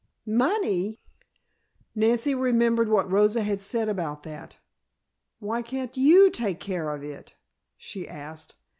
"Money!" Nancy remembered what Rosa had said about that. "Why can't you take care of it?" she asked.